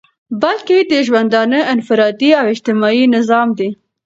بلكي دژوندانه انفرادي او اجتماعي نظام دى